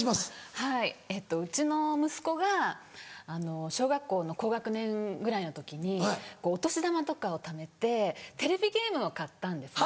はいえっとうちの息子が小学校の高学年ぐらいの時にお年玉とかをためてテレビゲームを買ったんですね。